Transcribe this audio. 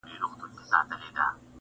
شل او دېرش کاله پخوا یې ښخولم؛